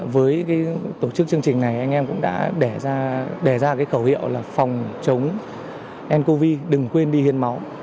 với tổ chức chương trình này anh em cũng đã đề ra khẩu hiệu là phòng chống ncov đừng quên đi huyên máu